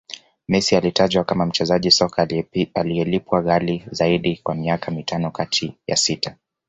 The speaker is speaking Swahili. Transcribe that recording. Messi alitajwa kama mchezaji soka anayelipwa ghali Zaidi kwa miaka mitano kati ya sita